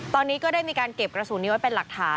ตอนนี้ก็ได้มีการเก็บกระสุนนี้ไว้เป็นหลักฐาน